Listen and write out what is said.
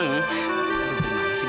aduh gimana sih maksudnya